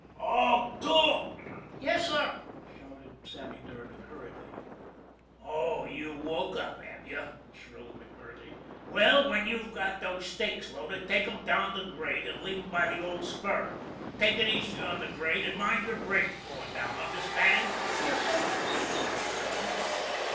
"O'Too " "Yes, sir!" shouted Sammy Durgan hurriedly. "Oh, you woke up, have you?" shrilled MacMurtrey. "Well, when you've got those stakes loaded, take 'em down the grade and leave 'em by the old spur. And take it easy on the grade, and mind your brakes going down understand?" "Yes, sir," said Sammy Durgan.